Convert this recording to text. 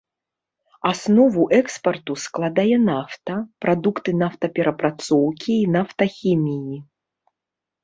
Аснову экспарту складае нафта, прадукты нафтаперапрацоўкі і нафтахіміі.